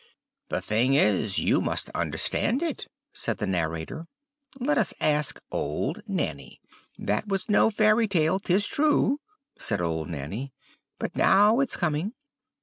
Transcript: "The thing is, you must understand it," said the narrator; "let us ask old Nanny." "That was no fairy tale, 'tis true," said old Nanny; "but now it's coming.